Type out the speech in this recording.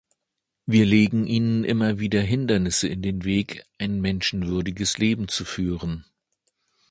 Wir legen ihnen immer wieder Hindernisse in den Weg, ein menschenwürdiges Leben zu führen.